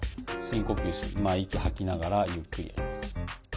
深呼吸息を吐きながらゆっくりやります。